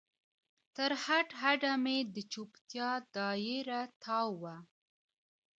تر هډ، هډ مې د چوپتیا دا یره تاو وه